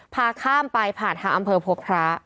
พาข้ามไปผ่านทางอำเภอพบพระ